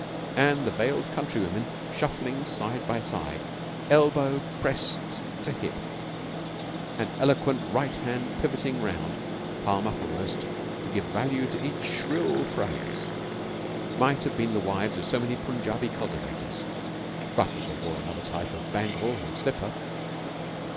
And the veiled countrywomen, shuffling side by side, elbow pressed to hip, and eloquent right hand pivoting round, palm uppermost, to give value to each shrill phrase, might have been the wives of so many Punjabi cultivators but that they wore another type of bangle and slipper.